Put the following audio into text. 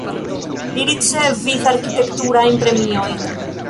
Li ricevis arkitekturajn premiojn.